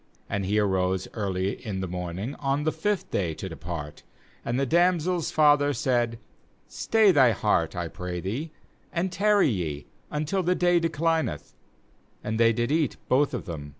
8Aid he arose early in the morning on the fifth day to depart; and the dam sel's father said: 'Stay thy heart, I pray thee, and tarry ye until the day declineth'; and they did eat, both of them.